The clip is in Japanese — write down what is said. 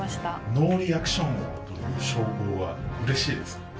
ノーリアクション王の称号はうれしいですか？